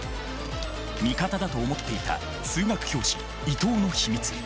味方だと思っていた数学教師伊藤の秘密。